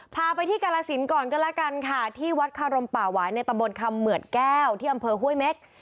พาไปที่กาลสินก่อนก็แล้วกันค่ะที่วัดคารมป่าหวายในตำบลคำเหมือดแก้วที่อำเภอห้วยเม็ก